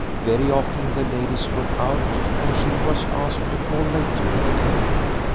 Very often the ladies were out, and she was asked to call later in the day.